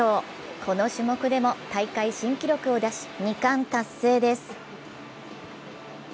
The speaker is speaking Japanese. この種目でも大会新記録を出し、２冠達成です。